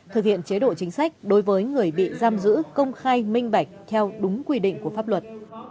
thực hiện chế độ chính sách đối với người bị giam giữ công khai minh bạch theo đúng quy định của pháp luật